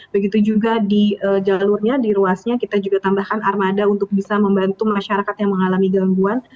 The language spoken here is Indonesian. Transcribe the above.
begitu juga di jalurnya di ruasnya kita juga tambahkan armada untuk bisa membantu masyarakat yang mengalami gangguan